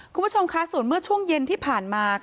คุณผู้ชมค่ะส่วนเมื่อช่วงเย็นที่ผ่านมา